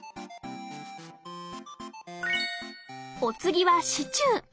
お次はシチュー。